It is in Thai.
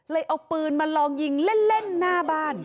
เอาปืนมาลองยิงเล่นหน้าบ้าน